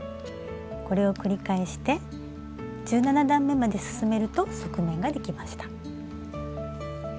これを繰り返して１７段めまで進めると側面ができました。